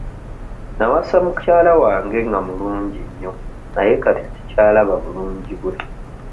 Nawasa mukyala wange nga mulungi nnyo naye kati sikyalaba bulungi bwe.